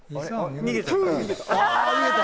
逃げた！